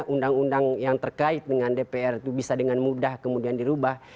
undang undang yang terkait dengan dpr itu bisa dengan mudah kemudian dirubah